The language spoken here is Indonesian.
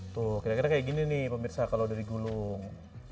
tuh kira kira kayak gini nih pemirsa kalau dari gulung